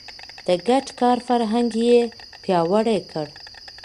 د ګډ کار فرهنګ يې پياوړی کړ.